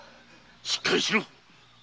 しっかりしろ！